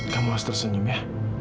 kamu harus tersenyum ya